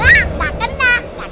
enggak kena enggak kena